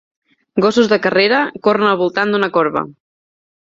Gossos de carrera corren al voltant d'una corba.